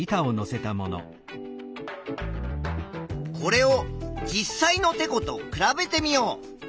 これを実際のてこと比べてみよう。